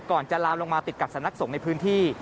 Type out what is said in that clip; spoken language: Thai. ก่อนจะลามลงมาติดกับสนักส่งในพื้นที่